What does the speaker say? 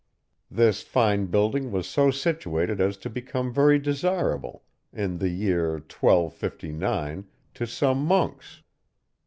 This fine building was so situated as to become very desirable, in the year 1259, to some monks.